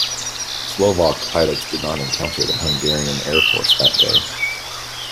Slovak pilots did not encounter the Hungarian Air Force that day.